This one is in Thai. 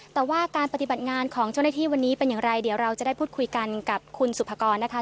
แต่ว่าการปฏิบัติงานของเจ้าหน้าที่วันนี้เป็นอย่างไรเดี๋ยวเราจะได้พูดคุยกันกับคุณสุภากรนะคะ